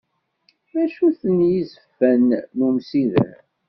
D acu-ten yizefan n umsider?